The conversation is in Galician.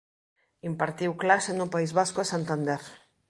Impartiu clase no País Vasco e Santander.